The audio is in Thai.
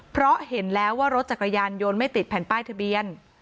เพราะเห็นแล้วว่ารถจักรยานยนต์ไม่ติดแผ่นป้ายทะเบียน